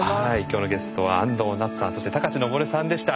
今日のゲストは安藤なつさんそして高知東生さんでした。